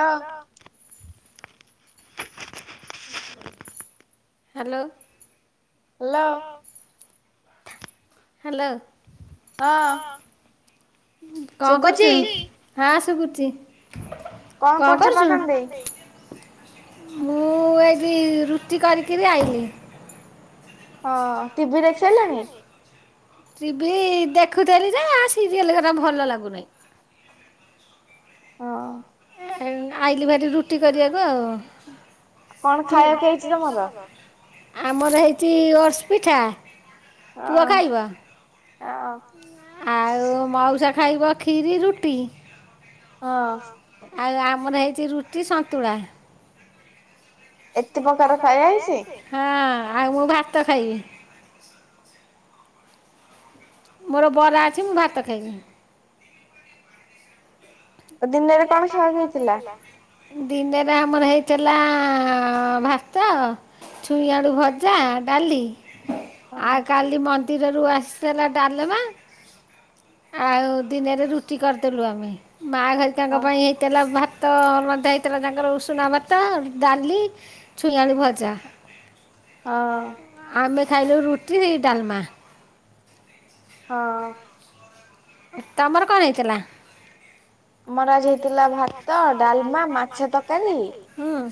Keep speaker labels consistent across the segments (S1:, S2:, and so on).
S1: ହଁ।
S2: Hello.
S1: Hello.
S2: Hello କଣ କରୁଚୁ ହଁ ଶୁଭୁଛି।
S1: କଣ କରୁଛ ପାକନ ଦେଇ।
S2: ମୁଁ ଏଠି ରୁଟି କରିକିରି ଆଇଲିି।
S1: ହଁ ଟିଭିି ଦେଖିସାରିଲଣୀ?
S2: ଟିଭି ଦେଖୁଥିଲି ଯେ ନା ସିରିଏଲ ହେରା ଭଲ ଲାଗୁନାଇ।
S1: ହଁ।
S2: ଆଇଲିି ଭାରି ରୁଟି କରିବାକୁ ଆଉ। କଣ ଖାଇବା ପିଇବା ହେଇଛି ତୁମର? ଆମର ହେଇଛି ଓଟ୍ସ୍ ପିଠା। ପୁଅ ଖାଇବ ଆଉ ମଉସା ଖାଇବ ଖିରି ରୁଟି ଆଉ ଆମର ହେଇ ସେ ରୁଟି ସନ୍ତୁଳା। ହଁ ଆଉ ମୁଁ ଭାତ ଖାଇବି। ମୋର ବରା ଅଛି ମୁଁ ଭାତ ଖାଇଵି।
S1: ଦିନରେ କଣ ଖାଇବାକୁ ହେଇଥିଲା।
S2: ଦିନରେ ଆମର ହେଇଥିଲା ଭାତ ଛୁଇଁଆଡୁ ଭଜା ଡାଲି ଆଉ କାଲି ମନ୍ଦିରରୁ ଆସି ସେ ହେଲା ଡାଲମା ଆଉ ଦିନରେ ରୁଟି କରିଦେଲୁ ଆମେ ମା ଘରିକାଙ୍କ ପାଇଁ ହେଇଥେଲା ଭାତ ତ ମଧ୍ୟ ହେଇଥିଲା ତାଙ୍କର ଉଷୁନା ଭତା ଡାଲି ଛୁଇଁ ଆଳୁ ଭଜା
S1: ହଁ।
S2: ଖାଇଲ ରୁଟି ସେହି ଡାଲମା
S1: ହଁ।
S2: ତମର କଣ ହେଇଥିଲା? ଆମର ଆଜି ହେଇଥିଲା, ଭାତ ଡାଲମା ମାଛ ତରକାରି ମଁ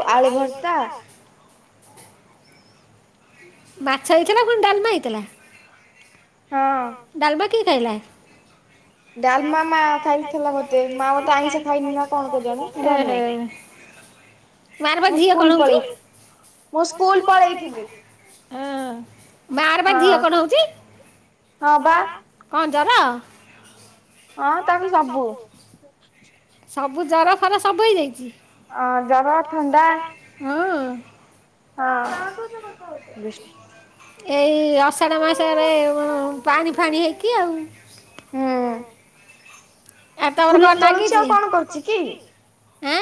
S2: ଆଉ ଆଳୁ ଭର୍ତାା ମାଛ ହେଇଥିଲା ପୁଣି ଡାଲମା ହେଇଥିଲା। ହଁ, ଡାଲମା କିଏ ଖାଇଲା? ଡାଲମା ମା ଖାଇ ଥିଲା [unintelligible] ମୋତେ ମା ତ ଆଇଁଷ ଖାଇନି ନା କଣ କେଜାଣି? ବାରବାର ଝିଅ କଣ ହଉଛି? ମୁଁ ସ୍କୁଲ ପଳେଇବି। ବା ର ବା ଦିହ କଣ ହଉଛି, ହଁ ପା। କଣ ଜର?
S1: ହଁ ତାକୁ ସବୁ
S2: ସବୁ ଜର ଫର ସବୁ ହେଇଯାଇଛି ହଁ ଜର ଥଣ୍ଡା ହଁ
S1: ହଁ ବିଷ୍ଣୁ
S2: ଏଇ ଅଷାଢ଼ ମାସରେ ପାଣି ଫାଣି ହେଇକି ଆଉ
S1: ହୁଁ।
S2: ଆଉ ତମର କଣ ଲାଗିଛିଁ? ଆଁ?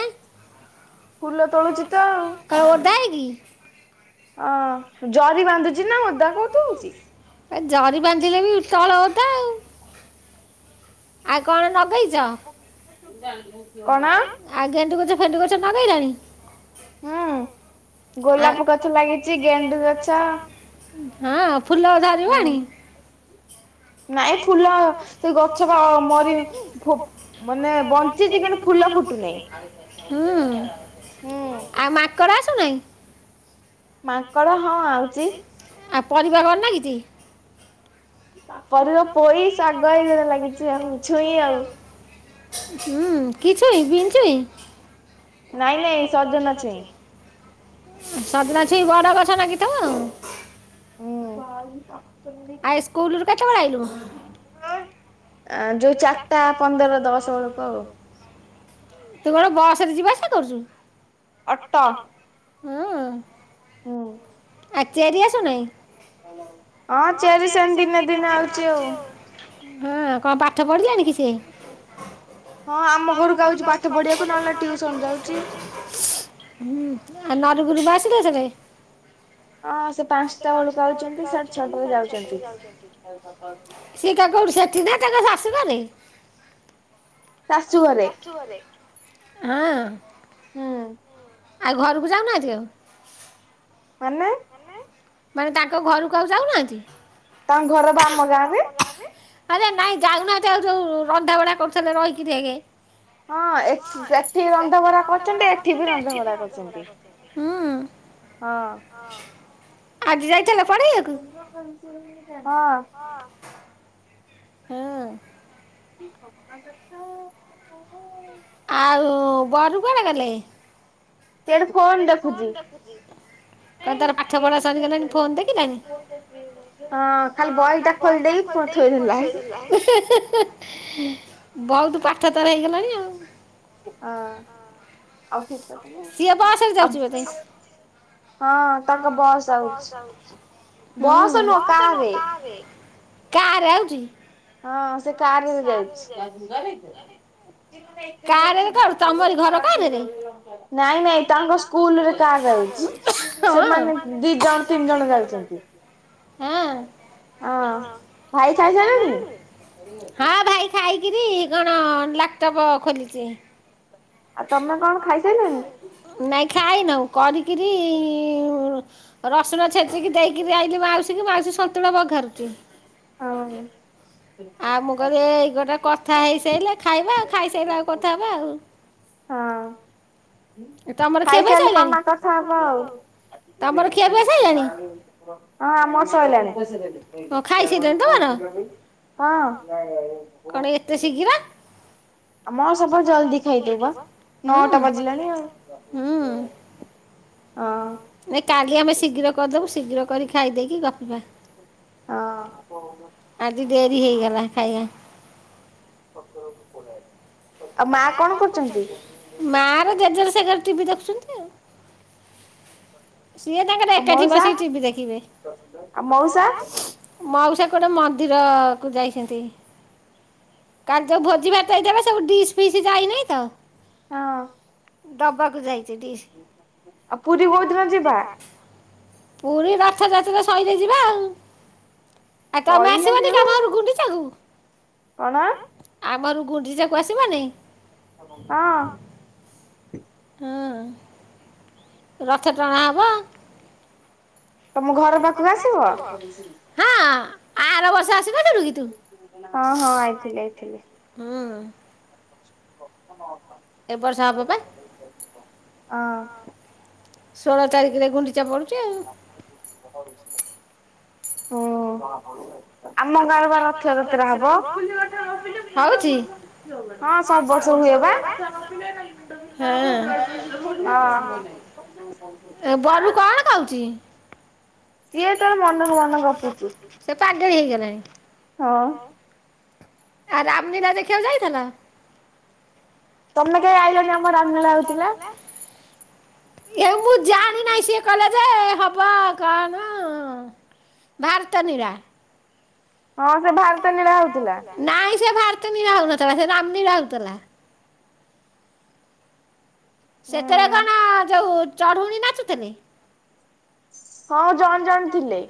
S1: ଫୁଲ ତୋଳୁଛି ତ ଆଉ ଅଁ ଜରି ବାନ୍ଧୁଛି ନା ଓଦା କୋଉଥୁ ହଉଛି।
S2: ଜରି ବାନ୍ଧିଲେ ବି ତଳ ଓଦା, ଆଉ ଆଉ କଣ [unintelligible] ନବ??
S1: ା [inaudible]
S2: କଣ ଆଉ ଗେଣ୍ଡୁ ଗଛ ଫେଣ୍ଡୁ ଗଛ କଣ ହେଲାଣି?
S1: ହୁଁ ଗୋଲାପ ଗଛ ଲାଗିଛି ଗେଣ୍ଡୁ ଗଛ
S2: ହଁ ଫୁଲ [unintelligible] ଧାରିବଣି ନାଇଁ ଫୁଲ ଗଛ ବା ମରି ମାନେ ବଞ୍ଚିଛି କିଣୁ ଫୁଲ ହୁଁ ଆଉ ମାକଡ ଆସୁ ନାହିଁ? ମାନଙ୍କ ହ ଆସୁଛି, ପରିବା ଘର ନାଗିଛି?
S1: ପରିବା ପୋଇ ଶାଗ ଏଇଗରେ ଲାଗିଛି ଆଉ ଛୁଇଁ ଆଉ
S2: ହୁଁ କି ଛୁଇଁ ବିନ୍ ଛୁଇଁ?
S1: ନାଇଁ ନାଇଁ ସଜନା ଛୁଇଁ
S2: ସଜନା ଛୁଇଁ ବଡ ଗଛ ଲାଗି ଥିବ ଆଉ
S1: ହୁଁ।
S2: ଆଉ ସ୍କୁଲରୁ କେତେବେଳେ ଆଇଲୁ?
S1: ଆ ଯୋଉ ଚାରିଟା ପନ୍ଦର ଦଶ ବେଳକୁ ଆଉ
S2: ତୁ କଣ ବସ ରେ ଯିବା ଆସିବା କରୁଛୁ?
S1: ଅଟୋ।
S2: ହଁ। ଆଉ [unintelligible] ତିଆରି ଆସୁ ନାହିଁ?
S1: ହଁ ଚେରି ସେମିତି ଦିନେ ଦିନେ ଆଉଚି ଆଉ।
S2: ପାଠ ପଢ଼ିଲାଣି କି ସିଏ? ହଁ ଆମ ଘରକୁ ଆଉଚି ପାଠ ପଢିବାକୁ ନହେଲେ ଟିଉସନ ଯାଉଛି। ଆ ନାର ଗୁରୁ ବସିଲ ସେ ଭାଇ [unintelligible] ହଁ ପାଞ୍ଚଟା ବେଳକୁ ଯାଉଛନ୍ତି ସାଢେ ଛଅ ବେଳେ ଯାଉଛନ୍ତି। ତା କଉଠି ସେଠି ତା ଶାଶୁଘରେ?
S1: ଶାଶୁ ଘରେ।
S2: ହଁ।
S1: ହୁଁ।
S2: ଆଉ ଘରକୁ ଯାଉନାହାନ୍ତି କି ଆଉ?
S1: ଉଁ।
S2: ମାନେ ତାଙ୍କ ଘରକୁ ଆଉ ଯାଉନାହାନ୍ତି?
S1: ତାଙ୍କ ଘର ପା ଆମ ଗାଁରେ।
S2: ଆରେ ନାଇଁ ଯାଉନାହାନ୍ତି ଆଉ ଯୋଉ ରନ୍ଧା ବଢା କରୁଥିଲେ ରହିକିରି ଆଗେ।
S1: ହଁ ଏଠି ରନ୍ଧା ବଡ କରୁଛନ୍ତି ଏଠି ବି ରନ୍ଧ ବରା କରୁଛନ୍ତି। ହଁ।
S2: ଆଜି ଯାଏଁ
S1: ମୁଙ୍ଗ ବିଷୟ ହଁ।
S2: ହଁ।
S1: [unintelligible]
S2: ଆଉ ବରୁ କୁଆଡେ ଗଲେ? ସିଏ ଏଡେ ଫୋନ୍ ଦେଖୁଚି। କଣ ତାର ପାଠ ପଢା ସରିଗଲାଣି ଫୋନ୍ ଦେଖିଲଣି ହଁ ଖାଲି ବଇ ଟା ଖୋ ଏଇ କୁଆଡେ ଥୋଇଦେଲା ହି ହି ହି ବହୁତ୍ ପାଠ ତର ହେଇଗଲାଣି ଆଉ।
S1: ଅ ଆଉ କେତେ ସମ ଆଜ ହଁ ତାଙ୍କ ବସ୍ ଯାଉଛି। ବସ୍ ନୁହଁ କାରରେ।
S2: କାରରେ ଆଉଚି।
S1: ହଁ ସେ କାର ରେ ଯାଉଛି। [unintelligible] ନାଇଁ ନାଇଁ ତାଙ୍କ ସ୍କୁଲରେ କାର୍ ଯାଉଛି ସେମାନେ ଦି ଜଣ ତିନି ଜଣ ଯାଉଛନ୍ତି। ହଁ ଭାଇ ଖାଇ ସାଇଲୁଣି?
S2: ହଁ ଭାଇ ଖାଇକିରି କଣ ଲାକଟପ ଖୋଲିଛି। ତମେ କଣ ଖାଇ ସାରିଲଣି ନାଇଁ ଖାଇ ନଉ କରିକିରି ରସୁଣ ଛେଚିକି ଦେଇକିରି ଆଇଲି ମାଉସୀ କୁ ମାଉସୀ ସନ୍ତୁଳା ପଘାରୁଚି।
S1: ହଁ।
S2: ଆଉ ମୁଁ କିଲି ଏଇ ଗୋଟେ କଥା ହେଇସାରଲେ ଖାଇବା ଆଉ ଖାଇସାରିଲେ ଆଉ କଥା ହବା ଆଉ। ହଁ।
S1: ଖାଇସାରିଲେ ମାମା କଥା ହେବ ଆଉ। [unintelligible] ହଁ ଆମ ସଇଲାଣି। [unintelligible] ହଁ [unintelligible] ଆମର ସବୁ ଜଲଦି ଖାଇଦବୁ ବା ନଅଟା ବଜିଲାଣି ଆଉ।
S2: ଅ ନାଇ କାଲି ଆମେ ଶୀଗ୍ର କରିଦବୁ ଶୀଗ୍ର କରି ଖାଇଦେଇକି ଗପିବା। ଅ ଆଜି ଡେରି ହେଇଗଲା ଖାଇବା। ଆଉ ମା କଣ କରୁଚନ୍ତି ମା ର ଜେଜେର ସେଘରେ ଟିଭି ଦେଖୁଛନ୍ତି ଆଉ। ସିଏ ତାଙ୍କର ଏକାଠି ବସିକି ଟିଭି ଦେଖିବେ ଆଉ ମଉସା ମଉସା କୁଆଡେ ମନ୍ଦିର କୁ ଯାଇଛନ୍ତି। କାଲି ଯୋଉ ଭୋଜି ଭାତ ହେଇଥିଲା ସବୁ ଡିସ ଫିସ୍ ଯାଇ ନେଇ ତ?
S1: ହଁ।
S2: ଦବାକୁ ଯାଇଚି ଦିସ ଆ ପୁରୀ କୋଉ ଦିନ ଯିବା? ପୁରୀ ରଥଯାତ୍ରା ସଇଲେ ଯିବା ଆଉ। ଆ ତମେ ଆସିବନି ଆମ ଘରକୁ ଗୁଣ୍ଡିଚା କୁ କଣ ଆମର ଗୁଣ୍ଡିଚାକୁ ଆସିବନି
S1: ହଁ।
S2: ରଥ ଟଣା ହବ।
S1: ତମ ଘର ପାଖକୁ ଆସିବ
S2: ଆ ଆର ବର୍ଷ ଆସି ନଥିଲୁ କି ତୁ ହୁଁ। ଏ ବର୍ଷ ହବ ବା। ଷୋଳ ତାରିଖରେ ଗୁଣ୍ଡିଚା ପଡୁଚି।
S1: ହୁ।
S2: ଆମ ଗାଁ ବା ରଥଯାତ୍ରା ହବ।
S1: ହଁ ସବୁ ବର୍ଷ ହୁଏ ବା। ଅ ହୋ ଆଁ
S2: ସେ ପାଗେଳି ହେଇଗଲାଣି। ଆ ରାମଲୀଳା ଦେଖିବାକୁ ଯାଇଥିଲ
S1: ତମେ କାଇଁ ଆଇଲନି ଆମ ରାମଲୀଳା ହଉଥିଲା।
S2: ଏ ମୁଁ ଜାଣିିନାହିଁ ସିଏ କହିଲା ଯେ [unintelligible] ଭାରତ ନିରା। ନାଇ। ସେ ଭାରୁଚନ୍ତି ରାହୁନଥିଲା ସେ ରାମଲୀଳା ହଉଥିଲା। ସେଥିରେ କଣ ଯୋଉ ଚଢୁଣୀ ନାଚୁଥିଲେ?
S1: ହଉ ଜଣେ ଜଣେ ଥିଲେ।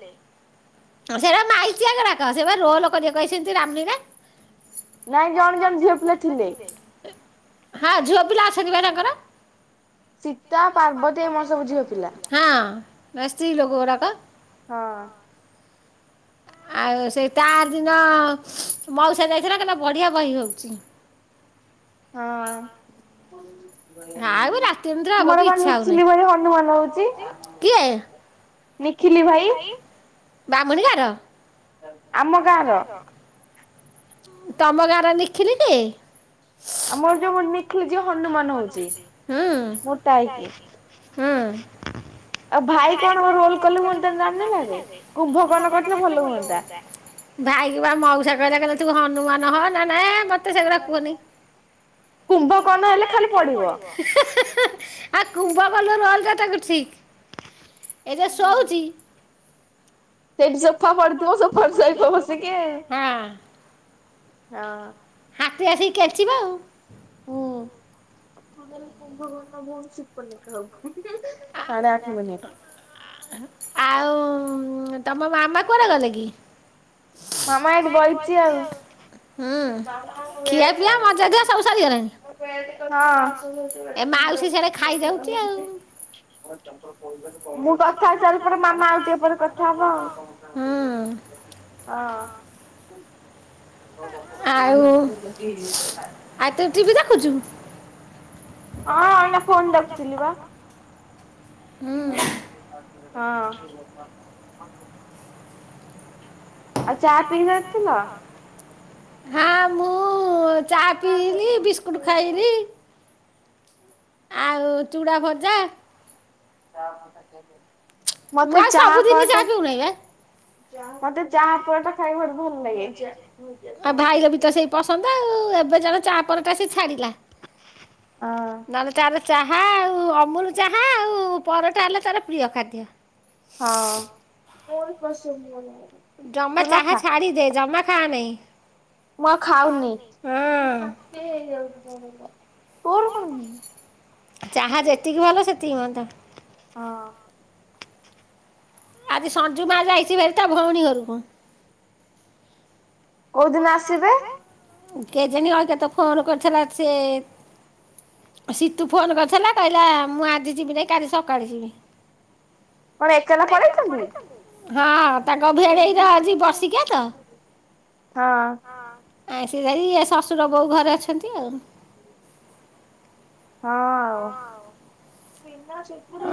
S2: ସେରା ମାାଇଚିଆ ଗୁଡାକ ସେ ରୋଲ କରିବାକୁ ଆଇଛନ୍ତି ରାମଲୀଳା। ନାଇଁ ଜଣେ ଜଣେ ଝିଅପିଲା ଥିଲେ ହୁଁ। ହଁ ଝିଅ ପିଲା ଅଛନ୍ତି ପା ତାଙ୍କର। ସୀତା ପାର୍ବତି ଏମାନେ ସବୁ ଝିଅ ପିଲା ହଁ ଏମାନେ ସ୍ତ୍ରୀ ଲୋକ ଓରା ପା।
S1: ହଁ।
S2: ଆଉ ସେଇ ତାର ଦିନ ମଉସା ଯାଇଥିଲା କହିଲେ ବଢିଆ ବହି ହଉଚି। ହ [unintelligible]
S1: ହଁ। ତୁମର କଣ ନିଖିଲି ବୋଲି ହନୁମାନ ହଉଚି।
S2: ନିଖିଲ ଭାଇ ମାମୁନି ଘର ଆମ ଗାଁ ର ତମ ଗାଁ ର ନିଖିଲି କି? ହୁଁ। ହଁ।
S1: ଆଉ ଭାଇ କଣ ରୋଲ କଲେ ହୁଅନ୍ତା ନାମ ରାମଲୀଳା ରେ କୁମ୍ଭ କର୍ଣ୍ଣ କରିଥିଲେ ଭଲ ହୁଅନ୍ତା।
S2: ଭାଇ କୁ ବା ମଉସା କହିଲେ କହିଲେ ତୁ ହନୁମାନ ହ ନା ନାଇ ମତେ ସେଗୁଡା କୁହନି। କୁମ୍ଭକର୍ଣ୍ଣ ହେଲେ ଖାଲି ପଡ଼ିବ। କୁମ୍ଭକର୍ଣ୍ଣ ରୋଲ୍ ଟା ତାକୁ ଠିକ୍ ଏଠେ ଶୋଉଚି
S1: ସେଇଠି ସୋଫା ପଡିଥିବ ସୋଫା ରେ ଶୋଇବ ବସିକି ଆଁ।
S2: ଆପେ ଆସିକି ଖେଚିବ ଆଉ।
S1: ହୁଁ ତାହେଲେ କୁମ୍ଭକର୍ଣ୍ଣ ଭଉଣୀ ସୂପନେଖା ହଉ।
S2: ଆଉ ତମ ମାମା କୁଆଡ଼େ ଗଲେ କି ହୁଁ ଖିଆ ପିଆ ମଜା ଧୁଆ ସବୁ ସରିଗଲାଣି
S1: [unintelligible] ମୁଁ କଥା ହେଇସାରିଲା ପରେ ମାମା ଆଉ ଟିକେ ପରେ କଥା ହବ ଆଉ। ଅ
S2: ଆଉ ଆ ତୁ ଟିଭି ଦେଖୁଚୁ
S1: ହଁ ଏନା ଫୋନ ଦେଖୁଥିଲି ବା। ହଁ। ଆଉ ଚା ପିଇନଥିଲ।
S2: ହାଁ ମୁଁ ଚା ପିଇଲିି ବିସ୍କୁଟ ଖାଇଲି। ଆଉ ଚୁଡା ଭଜା।
S1: [unintelligible]
S2: ମୁଁ ଆଉ ସବୁଦିନି ଯା ପିଉନି ଏ। ଆ ଭାଇ ବି ତ ସେଇ ପସନ୍ଦ ଆଉ ବଜାର ଚା ପର ଟା ସେ ଛାଡିଲା ନହେଲେ ତାର ଚା ହା ଆଉ ଅମୁଲ ଚାହା ଆଉ ପରଟା ହେଲା ତାର ପ୍ରିୟ ଖାଦ୍ୟ।
S1: ହଁ।
S2: ଜମା ଚାହା ଛାଡିଦେ ଜମା ଖା ନେହିଁ।
S1: ମୁ ଆଉ ଖାଉନି।
S2: ଚାହା ଯେତିକି ଭଲ ସେତିକି ହୁଅନ୍ତା।
S1: ହଁ।
S2: ଆଜି ସଞ୍ଜୁ ମା ଯାଇଛି ଭ ତା ଭଉଣୀ ଘରକୁ।
S1: କୋଉ ଦିନ ଆସିବେ?
S2: କେ ଜଣୀ ଅଜଞତ ଫୋନ କରିଥିଲା ସେ ସିତୁ ଫୋନ କରିଥିଲା କହିଲା ମୁଁ ଆଜି ଯିବି ନାଇ କାଲି ସକାଳେ ଯିବି।
S1: କଣ ଏକଲା ପଳେଇଛନ୍ତି?
S2: ହଁ ତା ଗ ଭିଡେଇର ଆଜି ବସିକିଆ ତ। ଆ ସିଦେଇ ଶ୍ୱଶୁର ବୋଉ ଘରେ ଅଛନ୍ତି ଆଉ।
S1: ହଁ ଆଉ।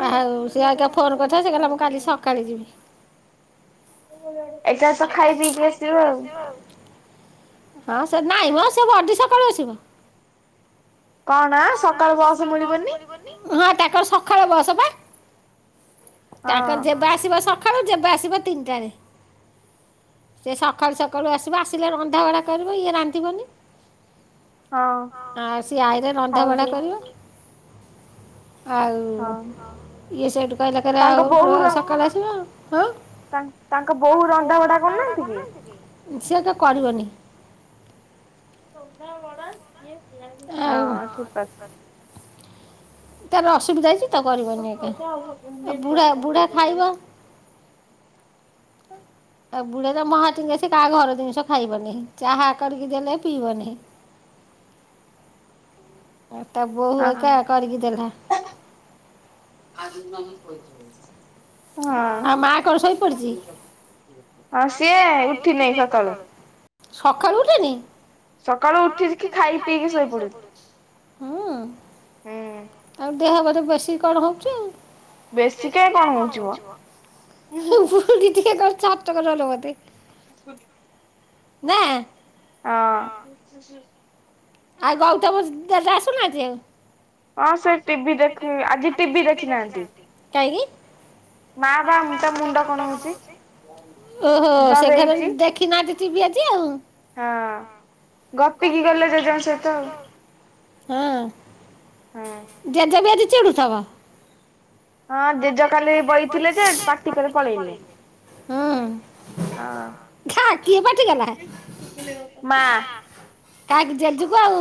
S2: ଆଉ ସିଏ ଆଜ୍ଞା ଫୋନ କରିଥା ସେ କହିଲା ମୁଁ କାଲି ସକାଳେ ଯିବି। ଏଟା ତ ଖାଇ ପିଇକି ଆସିବ ଆଉ। ହଁ ସେ ନାଇଁ ମ ସେ ବଡି ସକାଳୁ ଆସିବ। ହଁ ତାଙ୍କର ସଖାଳ ବସ ବା। ତାଙ୍କର ଯେବେ ଆସିବ ସଖାଳୁ ଯେବେ ଆସିବ ତିନିଟାରେ। ସେ ସଖାଳୁ ସକାଳୁ ଆସିବ ଆସିଲେ ରନ୍ଧାବଢ଼ା କରିବ ଇଏ ରାନ୍ଧିବନି। ଆଉ ସିଏ ଆଇରେ ରନ୍ଧାବଢା କରିବ। ଆଉ ଇଏ ସେଇଠୁ କହିଲେ ଖରେ ଆଉ ସକାଳ ଆସିବା ଆଉ। ତାଙ୍କ ବୋଉ ରନ୍ଧା ବଢ଼ା କରୁନାହାନ୍ତି କି? ସିଏ ତ କରିବନି।
S1: ହଁ ଠିକ ଅଛି।
S2: ତାର ଅସୁବିଧା ଅଛି। ତ କରିବନି ଆଜ୍ଞା ଆ ବୁଢା ବୁଢା ଖାଇବ। [unintelligible] ଆଉ ବୁଢା ତ ମହାଟିଙ୍ଗା କାହା ଘର ଜିନିଷ ଖାଇବନି ଚାହା କରିକି ଦେଲେ ପିଇବନହିଁ। ଆ ତା ବୋହୁ ଏକା କରିକି ଦେଲା।
S1: ହଁ। ଆଉ ସିଏ ଉଠିନେଇ ସକାଳୁ। ସକାଳୁ ଉଠି ଯି କିି ଖାଇ ପିଇକି ଶୋଇପଡୁନ୍ତି।
S2: ହୁଁ ଆଉ ଦେହ କଥା ବେଶୀ କଣ ହଉଛି ଆଉ। [unintelligible]
S1: ହ
S2: ନା।
S1: ହଁ।
S2: ଆଉ ଗଉତ ବ ଜେଜ ଆସୁନାହାନ୍ତି ଆଉ। କାହିଁକି? ଓହୋ ସେ ଘରେ ଦେଖିନାହାନ୍ତି ଯିବି ଆଜି ଆଉ
S1: ହଁ ଗପିକି ଗଲେ
S2: ହଁ
S1: ଯେଜ
S2: ଯେଜ ବି ଆଜି ଚିଡୁଥିବ ହଁ ଜେଜ କାଲି ବଇଥିଲେ ଯେ ପାଟି କଲେ ପଳେଇଲେ ହଁ।
S1: ମା
S2: କାହାକୁ ଯେଜୁକୁ ଆଉ